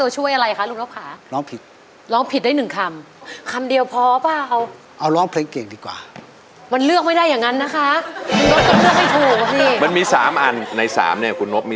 ใช้ครับ